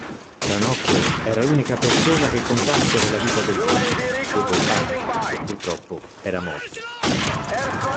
Ranocchio era l'unica persona che contasse nella vita del giovane, dopo il padre che purtroppo era morto.